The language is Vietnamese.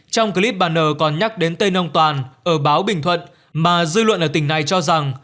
trong clip bà n còn nhắc đến tên ông toàn ở báo bình thuận mà dư luận ở tỉnh này cho rằng